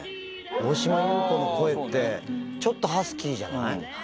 大島優子の声って、ちょっとハスキーじゃない？